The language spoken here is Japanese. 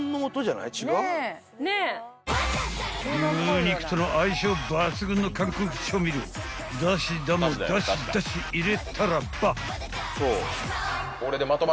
［牛肉との相性抜群の韓国調味料ダシダもダシダシ入れたらば］